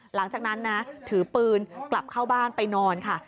หลังจากนั้นนะถือปืนกลับเข้าบ้านไปนอนค่ะ